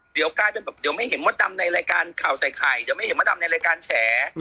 เดี๋ยวกลายเป็นแบบเดี๋ยวไม่เห็นมดดำในรายการข่าวใส่ไข่เดี๋ยวไม่เห็นมดดำในรายการแฉ